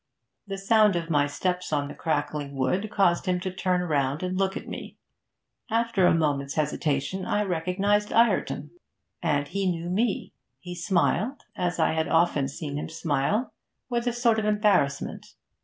The sound of my steps on crackling wood caused him to turn and look at me. After a moment's hesitation I recognised Ireton. And he knew me; he smiled, as I had often seen him smile, with a sort of embarrassment.